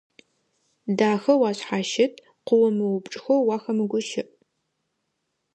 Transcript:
Дахэу ашъхьащыт, къыомыупчӀхэу уахэмыгущыӀ.